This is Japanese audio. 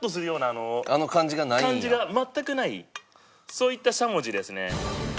そういったしゃもじですね。